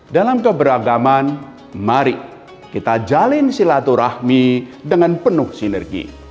dalam keberagaman mari kita jalin silaturahmi dengan penuh sinergi